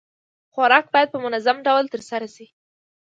خوراک بايد په منظم ډول ترسره شي.